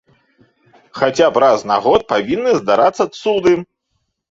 Хаця б раз на год павінны здарацца цуды!